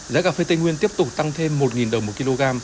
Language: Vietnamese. giá cà phê tây nguyên tiếp tục tăng thêm một đồng một kg